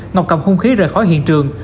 ngọc cầm hung khí rời khỏi hiện trường